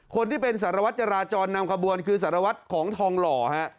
คนที่เป็นสารวัตรจราจรนำขบวนคือสารวัตรของทองหล่อฮะ